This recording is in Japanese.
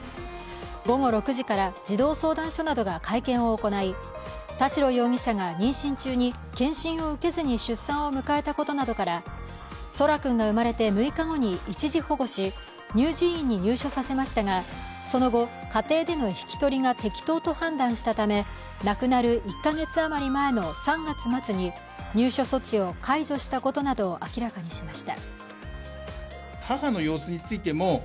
午後６時から児童相談所などが会見を行い田代容疑者が妊娠中に健診を受けずに出産を迎えたことなどから空来君が生まれて６日後に一時保護し乳児院に入所させましたが、その後家庭での引き取りが適当と判断したため亡くなる１か月あまり前の３月末に入所措置を解除したことなどを明らかにしました。